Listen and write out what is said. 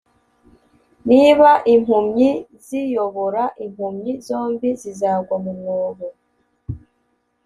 niba impumyi ziyobora impumyi, zombi zizagwa mu mwobo